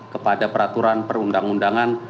kepada peraturan perundang undangan